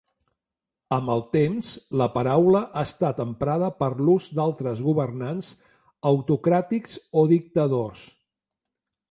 Amb el temps la paraula ha estat emprada per l'ús d'altres governants autocràtics o dictadors.